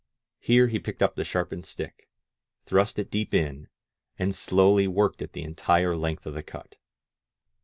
Here he picked up the sharpened stick, thrust it deep in, and slotdtf worked it the entire length of the cut!